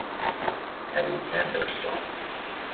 Mary Anderson